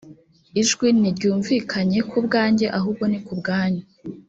ijwi ntiryumvikanye ku bwanjye ahubwo ni ku bwanyu